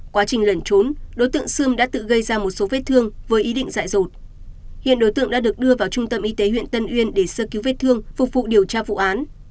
quá trình lẩn trốn đối tượng sương đã tự gây ra một số vết thương với ý định dại rột hiện đối tượng đã được đưa vào trung tâm y tế huyện tân uyên để sơ cứu vết thương phục vụ điều tra vụ án